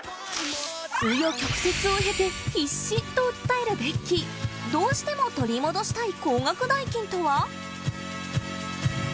紆余曲折を経て必死と訴えるベッキーどうしても取り戻したい高額代金とは？